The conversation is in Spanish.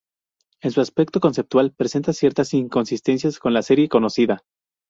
En su aspecto conceptual, presenta ciertas inconsistencias con la serie conocida.